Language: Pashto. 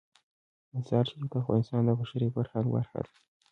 مزارشریف د افغانستان د بشري فرهنګ برخه ده.